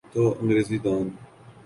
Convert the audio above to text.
تو انگریزی دان۔